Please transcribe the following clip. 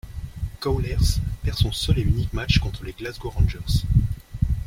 Cowlairs perd son seul et unique match contre les Glasgow Rangers.